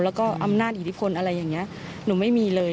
แล้วก็อำนาจอิทธิพลอะไรอย่างนี้หนูไม่มีเลย